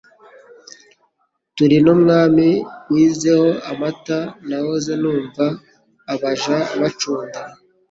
Turi n' Umwami wezeho amata Nahoze numva abaja bacunda,